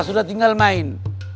sudah tinggal main